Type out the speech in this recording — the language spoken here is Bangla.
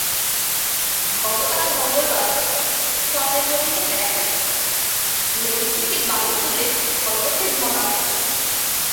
গতকাল মঙ্গলবার সরেজমিনে দেখা গেছে, নদী থেকে বালু তুলে কার্গোতে ভরা হচ্ছে।